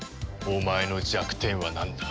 お前の弱点はなんだ？